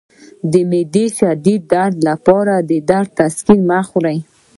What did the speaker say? د معدې د شدید درد لپاره د درد مسکن مه خورئ